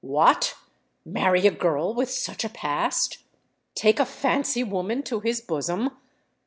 What! Marry a girl with such a Past! Take a fancy woman to his bosom!